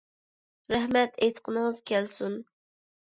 رەھمەت، ئېيتقىنىڭىز كەلسۇن.